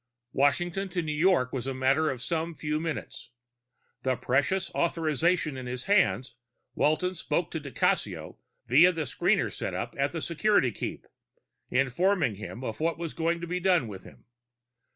Washington to New York was a matter of some few minutes. The precious authorization in his hands, Walton spoke to di Cassio via the screener setup at Security Keep, informed him of what was going to be done with him.